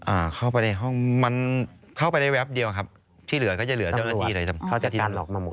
อ่าเข้าไปในห้องมันเข้าไปได้แป๊บเดียวครับที่เหลือก็จะเหลือเจ้าหน้าที่เลยเขาจะตามหลอกมาหมด